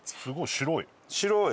白い！